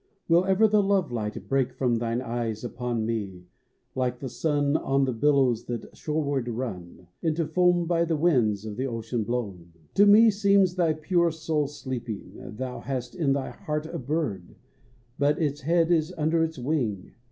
Will ever the love light break From thine eyes upon me, like the sun On the billows that shoreward run, Into foam by the winds of the ocean blown? To me seems thy pure soul sleeping. Thou hast in thy heart a bird, But its head is under its wing.